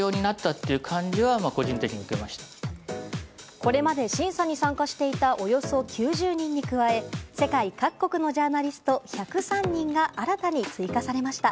これまで審査に参加していたおよそ９０人に加え世界各国のジャーナリスト１０３人が新たに追加されました。